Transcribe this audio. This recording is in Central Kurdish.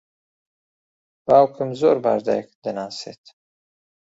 باوکم زۆر باش دایکت دەناسێت.